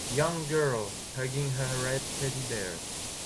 Young girl hugging her red teddy bear.